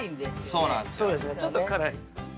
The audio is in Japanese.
◆そうですね、ちょっと辛い。